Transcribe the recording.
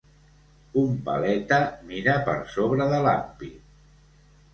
Un paleta mira per sobre de l'ampit.